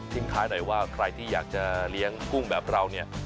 ท้ายหน่อยว่าใครที่อยากจะเลี้ยงกุ้งแบบเราเนี่ย